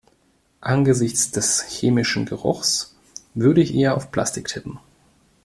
Angesichts des chemischen Geruchs würde ich eher auf Plastik tippen.